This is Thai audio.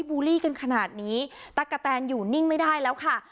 บูลลี่กันขนาดนี้ตั๊กกะแตนอยู่นิ่งไม่ได้แล้วค่ะ